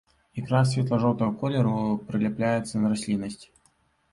Ікра светла-жоўтага колеру, прыляпляецца на расліннасць.